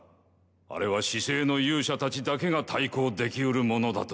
あれは四聖の勇者たちだけが対抗できうるものだと。